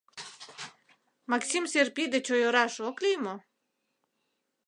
Максим Серпи деч ойыраш ок лий мо?..